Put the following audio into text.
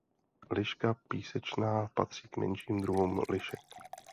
Liška písečná patří k menším druhům lišek.